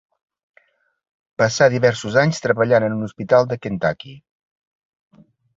Passà diversos anys treballant en un hospital de Kentucky.